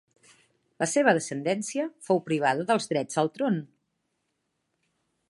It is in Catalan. La seva descendència fou privada dels drets al tron.